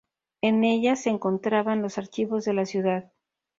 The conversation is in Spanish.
En ella se encontraban los archivos de la ciudad.